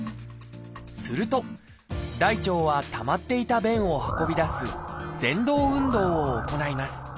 すると大腸はたまっていた便を運び出す「ぜん動運動」を行います。